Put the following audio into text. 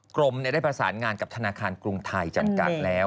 กรมได้ประสานงานกับธนาคารกรุงไทยจำกัดแล้ว